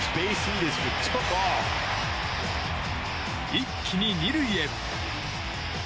一気に２塁へ。